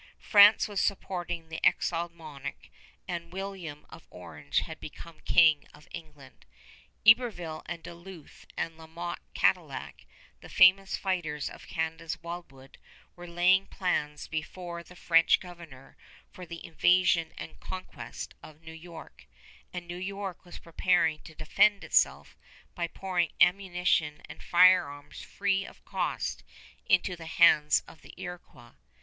France was supporting the exiled monarch, and William of Orange had become king of England. Iberville and Duluth and La Motte Cadillac, the famous fighters of Canada's wildwood, were laying plans before the French Governor for the invasion and conquest of New York; and New York was preparing to defend itself by pouring ammunition and firearms free of cost into the hands of the Iroquois.